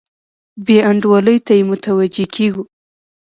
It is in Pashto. بې انډولۍ ته یې متوجه کیږو.